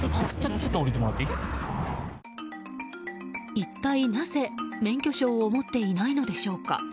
一体なぜ免許証を持っていないのでしょうか。